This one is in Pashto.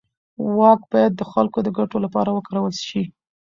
واک باید د خلکو د ګټو لپاره وکارول شي.